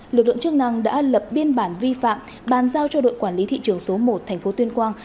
lực lượng chức năng đã lập biên bản vi phạm bàn giao cho đội quản lý thị trường số một thành phố tuyên quang